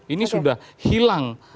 ini sudah hilang